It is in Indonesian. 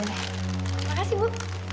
terima kasih bu